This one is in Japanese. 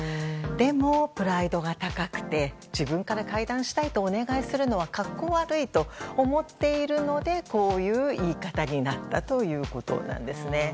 でも、プライドが高くて自分から会談したいとお願いするのは格好悪いと思っているのでこういう言い方になったということなんです。